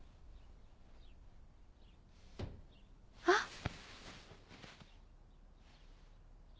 あっ！